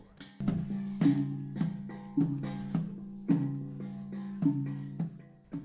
kami disambut hangat oleh masyarakat asli merabu suku dayak lebo